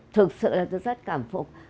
thực sự là tôi rất cảm phục